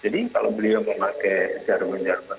jadi kalau beliau memakai jarum jarum agama